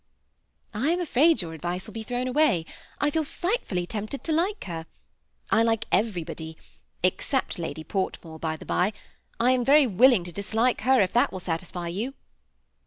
" I am afraid your advice will be thrown away. I feel frightfully tempted to like her. I like everybody, except Lady Portmore, by the by. I am very willing to dislike her if that will satisfy you."